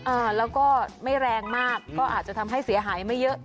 อ่าแล้วก็ไม่แรงมากก็อาจจะทำให้เสียหายไม่เยอะ